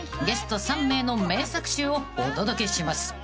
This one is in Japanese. ゲスト３名の名作集をお届けします